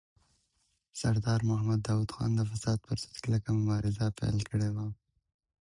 سردار محمد داود خان د فساد پر ضد کلکه مبارزه پیل کړې وه.